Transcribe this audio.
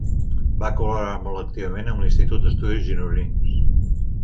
Va col·laborar molt activament amb l'Institut d'Estudis Gironins.